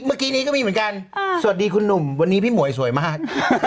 เมื่อกี้นี้ก็มีเหมือนกันสวัสดีคุณหนุ่มวันนี้พี่หมวยสวยมาก